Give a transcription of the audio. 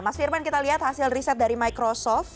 mas firman kita lihat hasil riset dari microsoft